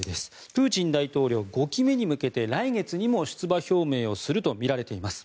プーチン大統領、５期目に向けて来月にも出馬表明をするとみられています。